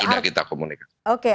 sudah kita komunikasi